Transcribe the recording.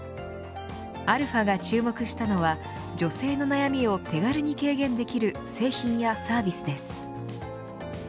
αが注目したのは女性の悩みを手軽に軽減できる製品やサービスです。